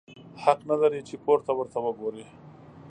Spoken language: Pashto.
حق نه لرې چي پورته ورته وګورې!